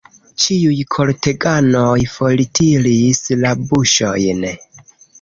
Ĉiuj korteganoj fortiris la buŝojn.